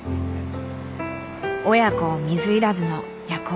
親子水入らずの夜行バス。